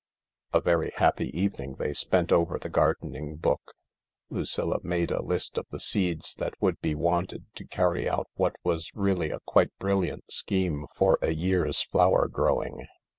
A very happy evening they spent over the gardening book. Lucilla made a list of the seeds that would be wanted to carry out what was really a quite brilliant scheme for a year's flower growing.